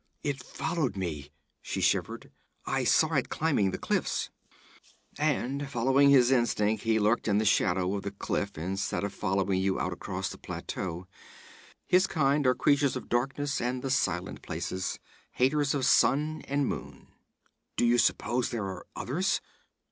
'It followed me,' she shivered. 'I saw it climbing the cliffs.' 'And following his instinct, he lurked in the shadow of the cliff, instead of following you out across the plateau. His kind are creatures of darkness and the silent places, haters of sun and moon.' 'Do you suppose there are others?'